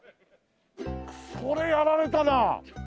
これやられたな。